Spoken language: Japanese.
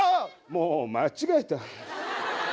もう間違えた。